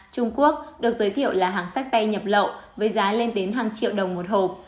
trung quốc được giới thiệu là hàng sách tay nhập lậu với giá lên đến hàng triệu đồng một hộp